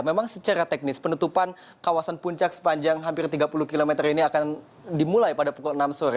memang secara teknis penutupan kawasan puncak sepanjang hampir tiga puluh km ini akan dimulai pada pukul enam sore